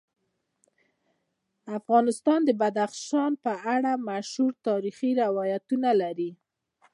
افغانستان د بدخشان په اړه مشهور تاریخی روایتونه لري.